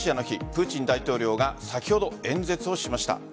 プーチン大統領が先ほど演説をしました。